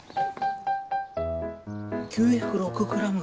９０６グラム。